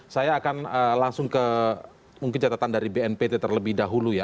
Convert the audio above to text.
saya akan langsung ke mungkin catatan dari bnpt terlebih dahulu ya